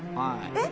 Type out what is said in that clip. えっ？